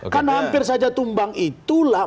karena hampir saja tumbang itulah